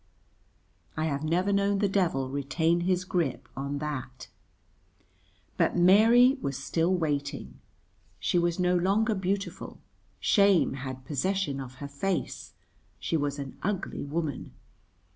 I have never known the devil retain his grip on that. But Mary was still waiting. She was no longer beautiful; shame had possession of her face, she was an ugly woman.